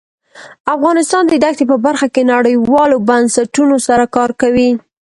افغانستان د دښتې په برخه کې نړیوالو بنسټونو سره کار کوي.